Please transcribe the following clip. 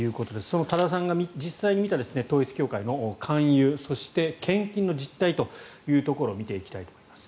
その多田さんが実際に見た統一教会の勧誘そして献金の実態というところを見ていきたいと思います。